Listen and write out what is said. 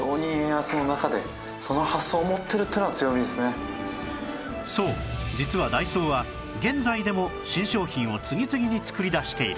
非常にそう実はダイソーは現在でも新商品を次々に作り出している